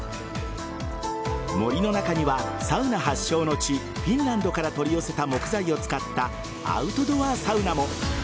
森の中にはサウナ発祥の地フィンランドから取り寄せた木材を使ったアウトドアサウナも。